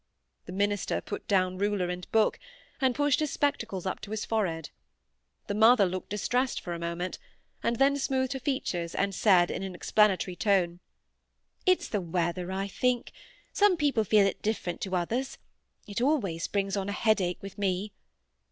The minister put down ruler and book, and pushed his spectacles up to his forehead. The mother looked distressed for a moment, and then smoothed her features and said in an explanatory tone,—"It's the weather, I think. Some people feel it different to others. It always brings on a headache with me."